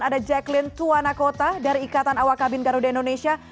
ada jacqueline tuwanakota dari ikatan awak kabin garuda indonesia